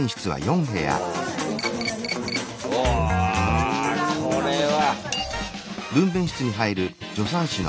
うわこれは！